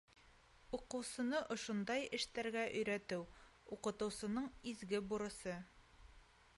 Уҡыусыны ошондай эштәргә өйрәтеү — уҡытыусының изге бурысы.